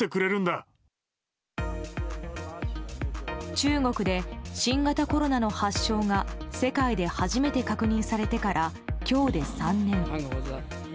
中国で新型コロナの発症が世界で初めて確認されてから今日で３年。